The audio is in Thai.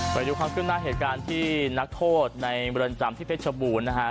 ไปดูความขึ้นหน้าเหตุการณ์ที่นักโทษในเรือนจำที่เพชรบูรณ์นะฮะ